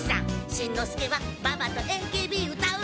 しんのすけはばばとＡＫＢ歌うんだ。